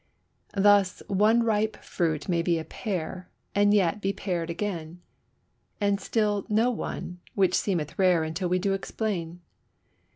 Thus, one ripe fruit may be a pear, and yet be pared again, And still no one, which seemeth rare until we do explain.